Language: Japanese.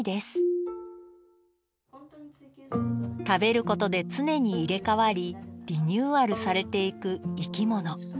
食べることで常に入れ替わりリニューアルされていく生き物。